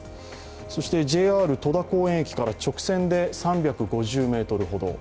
そしてＪＲ戸田公園駅から直線で３５０ｍほど。